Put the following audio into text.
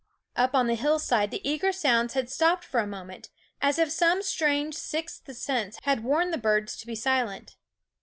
Up on the hillside the eager sounds had stopped for a moment, as if some strange sixth sense had warned the birds to be silent.